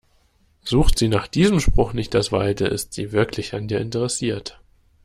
Sucht sie nach diesem Spruch nicht das Weite, ist sie wirklich an dir interessiert.